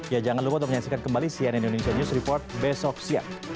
ya jangan lupa untuk menyaksikan kembali cnn indonesia news report besok siang